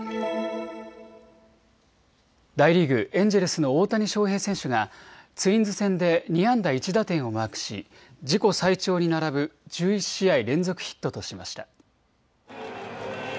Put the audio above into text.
大リーグ、エンジェルスの大谷翔平選手がツインズ戦で２安打１打点をマークし自己最長に並ぶ１１試合連続ヒットとしました。